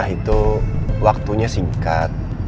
waktu itu waktunya singkat